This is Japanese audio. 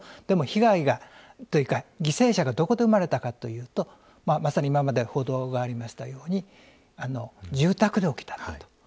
でも被害がというか犠牲者がどこで生まれたかというとまさに今まで報道がありましたように住宅で起きたと。